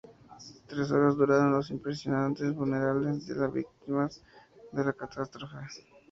Tres horas duraron los impresionantes funerales de las víctimas de la catástrofe.